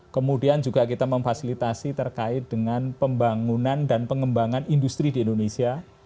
kemudian juga kita memfasilitasi terkait dengan pembangunan dan pengembangan industri di indonesia